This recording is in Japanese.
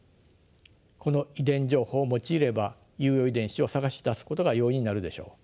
この遺伝情報を用いれば有用遺伝子を探し出すことが容易になるでしょう。